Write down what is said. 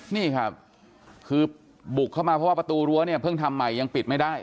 นี่ครับคือบุกเข้ามาเพราะว่าประตูรั้วเนี่ยเพิ่งทำใหม่ยังปิดไม่ได้